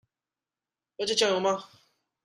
要加醬油嗎？